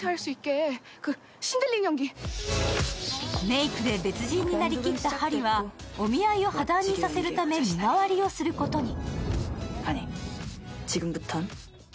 メークで別人になりきったハリはお見合いを破断にさせるため身代わりをすることに。